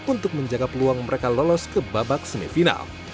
untuk menjaga peluang mereka lolos ke babak semifinal